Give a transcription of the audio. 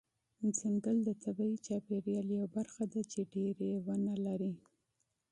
ځنګل د طبیعي چاپیریال یوه برخه ده چې ډیری ونه لري.